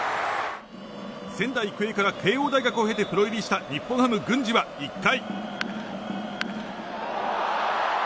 仙台育英から慶應大学を経てプロ入りした日本ハム、郡司は１回。